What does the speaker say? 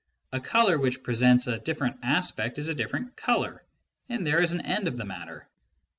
A colour which presents a different aspect is a different colour, and there is an end of the matter.